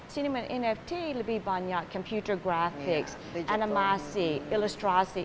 siniman nft lebih banyak komputer grafis animasi ilustrasi